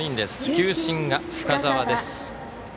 球審が深沢です。